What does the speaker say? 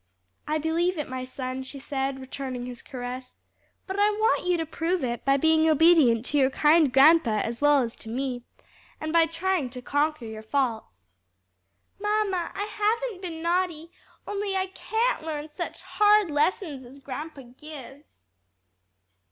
"I believe it, my son," she said, returning his caress, "but I want you to prove it by being obedient to your kind grandpa as well as to me, and by trying to conquer your faults." "Mamma, I haven't been naughty only I can't learn such hard lessons as grandpa gives."